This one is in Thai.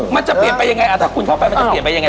มันจะเปลี่ยนไปยังไงถ้าคุณเข้าไปมันจะเปลี่ยนไปยังไง